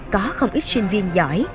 có không ít sinh viên giỏi